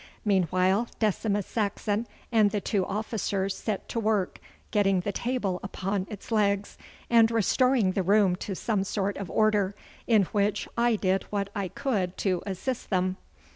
Meanwhile Decimus Saxon and the two officers set to work getting the table upon its legs and restoring the room to some sort of order, in which I did what I could to assist them.